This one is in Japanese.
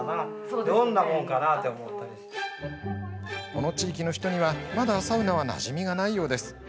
この地域の人には、まだサウナはなじみがないようです。